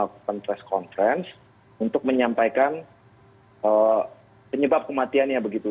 dan kami juga mengirimkan test conference untuk menyampaikan penyebab kematiannya begitu